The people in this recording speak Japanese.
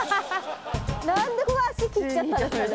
何でここ足切っちゃったんですかね